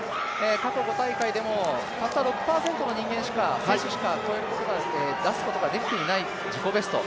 過去５大会でもたった６％の人間しか越えること、出すことができていない自己ベスト。